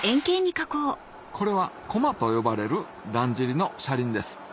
これは「コマ」と呼ばれるだんじりの車輪です